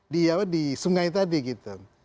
di sungai tadi gitu